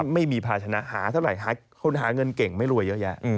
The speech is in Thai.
ไม่มีภาชนะหาเท่าไหร่หาคนหาเงินเก่งไม่รวยเยอะแยะ